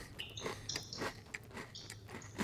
现效力于日职球队富山胜利。